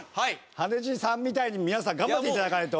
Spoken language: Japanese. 羽地さんみたいに皆さん頑張って頂かないと。